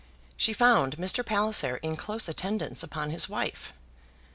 She found Mr. Palliser in close attendance upon his wife.